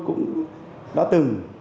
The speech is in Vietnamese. cũng đã từng